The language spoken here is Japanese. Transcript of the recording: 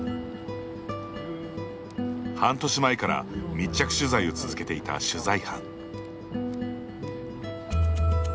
半年前から密着取材を続けていた取材班。